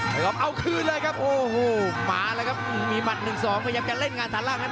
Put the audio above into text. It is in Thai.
ทายลอฟเอาคืนเลยครับโอ้โหหมาละครับมีมัด๑ก็ยังจะเล่นงานฐานล่างนะครับ